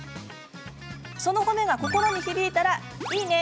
その褒めが心に響いたらいいね。